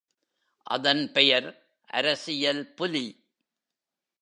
அதன் பெயர் அரசியல் புலி.